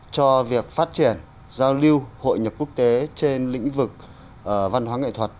cho việc phát triển giao lưu hội nhập quốc tế trên lĩnh vực văn hóa nghệ thuật